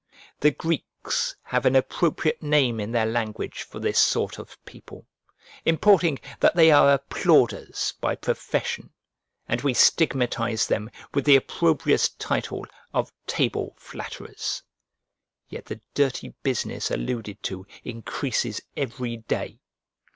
The Greeks have an appropriate name in their language for this sort of people, importing that they are applauders by profession, and we stigmatize them with the opprobrious title of table flatterers: yet the dirty business alluded to increases every day.